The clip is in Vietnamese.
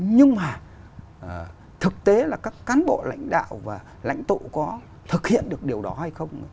nhưng mà thực tế là các cán bộ lãnh đạo và lãnh tụ có thực hiện được điều đó hay không